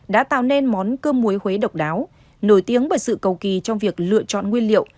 đã tạo nên món cơm muối huế độc đáo nổi tiếng bởi sự cầu kỳ trong việc lựa chọn nguyên liệu